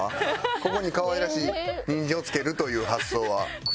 ここに可愛らしいニンジンをつけるという発想は。